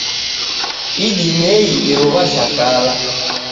Idimei iruw'a jhakala.